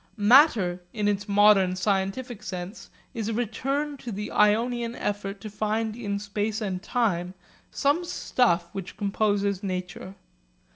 Matter, in its modern scientific sense, is a return to the Ionian effort to find in space and time some stuff which composes nature.